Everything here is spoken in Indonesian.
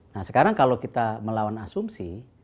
nah sekarang kalau kita melawan asumsi